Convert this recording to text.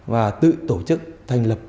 và tự tổ chức thành lập